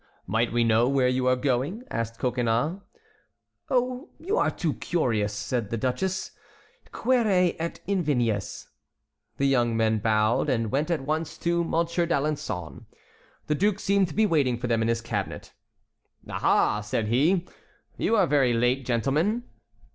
"Might we know where you are going?" asked Coconnas. "Oh! you are too curious!" said the duchess. "Quære et invenies." The young men bowed and went at once to Monsieur d'Alençon. The duke seemed to be waiting for them in his cabinet. "Ah! ah!" said he, "you are very late, gentlemen."